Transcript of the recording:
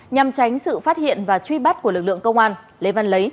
nhằm tránh sự phát hiện và truy bắt của lực lượng công an lê văn lấy